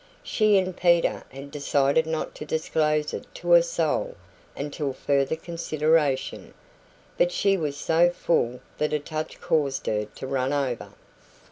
She and Peter had decided not to disclose it to a soul until further consideration; but she was so full that a touch caused her to run over.